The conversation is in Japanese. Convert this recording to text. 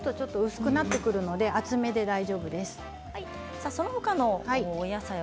煮ると薄くなってくるので厚めで大丈夫です。